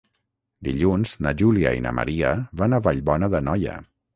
Dilluns na Júlia i na Maria van a Vallbona d'Anoia.